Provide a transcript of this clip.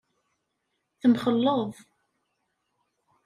Temxelleḍ.